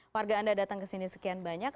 warga anda datang ke sini sekian banyak